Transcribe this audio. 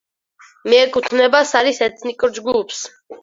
მიეკუთვნება სარის ეთნიკურ ჯგუფს.